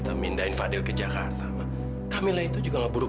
tapi kenapa kak fadil malah membuat keadaannya semakin buruk